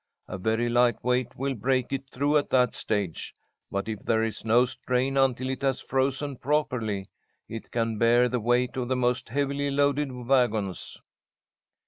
A very light weight will break it through at that stage, but if there is no strain until it has frozen properly, it can bear the weight of the most heavily loaded wagons."